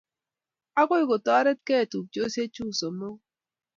Akoi kotaretkey tupchosyek chu somoku